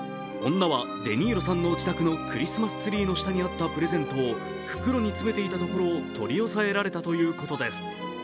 女はデ・ニーロさんの自宅のクリスマスツリーの下にあったプレゼントを袋に詰めていたところを取り押さえられたということです。